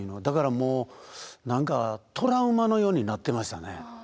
だからもう何かトラウマのようになってましたね。